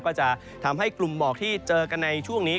ก็จะทำให้กลุ่มหมอกที่เจอกันในช่วงนี้